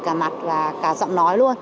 cả mặt và cả giọng nói luôn